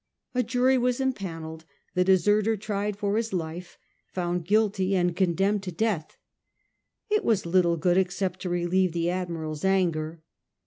A jury was empanelled, the deserter tried for his life, found guilty, and condemned to deatL It was little good except to relieve the Admiral's anger.